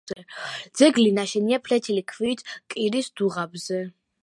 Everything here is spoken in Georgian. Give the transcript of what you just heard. ძეგლი ნაშენია ფლეთილი ქვით კირის დუღაბზე.